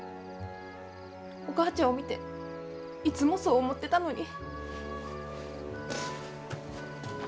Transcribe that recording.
お母ちゃんを見ていつもそう思ってたのに。